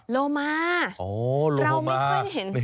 โลมาเราไม่ค่อยเห็น